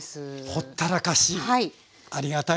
ほったらかしありがたいですね。